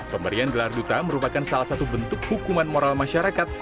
pemberian gelar duta merupakan salah satu bentuk hukuman moral masyarakat